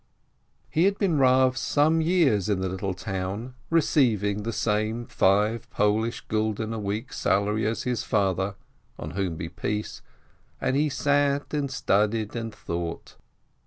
He had been Rav some years in the little town, re ceiving the same five Polish gulden a week salary as his father (on whom be peace!), and he sat and studied and thought.